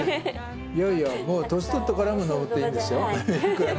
いやいやもう年取ってからも登っていいんですよ。